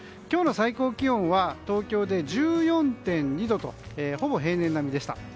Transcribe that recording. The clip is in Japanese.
今日の最高気温は東京で１４．２度とほぼ平年並みでした。